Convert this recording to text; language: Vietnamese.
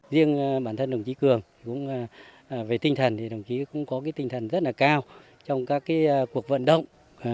riêng bản thân đồng chí cường cũng về tinh thần thì đồng chí cũng có tinh thần rất là cao trong các cuộc vận động